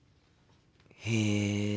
へえ。